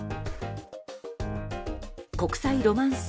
国際ロマンス